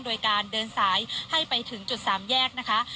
โดยการเดินสายให้ไปถึงจุดสามแยกนะคะ